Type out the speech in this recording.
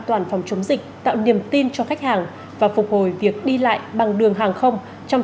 toàn phòng chống dịch tạo niềm tin cho khách hàng và phục hồi việc đi lại bằng đường hàng không trong